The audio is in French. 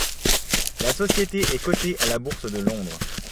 La société est cotée à la Bourse de Londres.